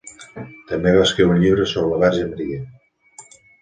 També va escriure un llibre sobre la verge Maria.